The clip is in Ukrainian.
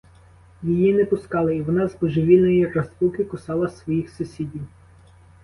Її не пускали, і вона з божевільної розпуки кусала своїх сусідів.